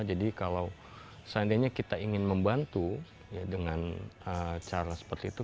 jadi kalau seandainya kita ingin membantu dengan cara seperti itu